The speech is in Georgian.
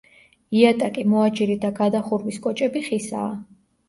იატაკი, მოაჯირი და გადახურვის კოჭები ხისაა.